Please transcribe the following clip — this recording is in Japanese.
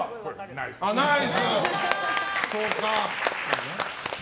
ナイス。